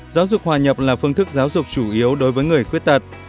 giáo dục hòa nhập là phương thức giáo dục chủ yếu đối với người khuyết tật